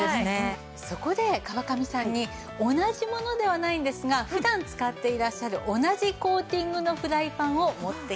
そこで川上さんに同じものではないんですが普段使っていらっしゃる同じコーティングのフライパンを持ってきて頂きました。